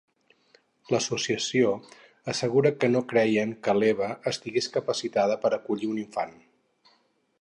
L'associació assegura que no creien que l'Eva estigués capacitada per acollir un infant.